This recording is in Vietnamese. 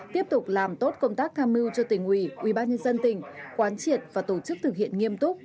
tiếp tục làm tốt công tác tham mưu cho tỉnh ủy ubnd tỉnh quán triệt và tổ chức thực hiện nghiêm túc